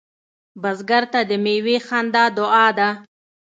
بزګر ته د میوې خندا دعا ده